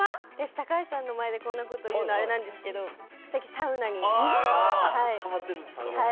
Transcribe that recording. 高橋さんの前でこんなこと言うのアレなんですけど最近サウナにはまってます。